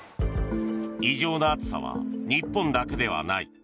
異常な暑さは日本だけではない。